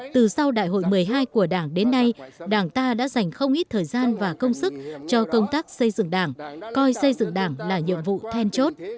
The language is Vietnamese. từ sau đại hội một mươi hai của đảng đến nay đảng ta đã dành không ít thời gian và công sức cho công tác xây dựng đảng coi xây dựng đảng là nhiệm vụ then chốt